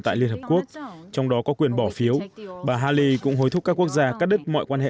tại liên hợp quốc trong đó có quyền bỏ phiếu bà haley cũng hối thúc các quốc gia cắt đứt mọi quan hệ